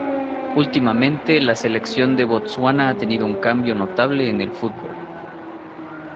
Últimamente, la selección de Botsuana ha tenido un cambio notable en el fútbol.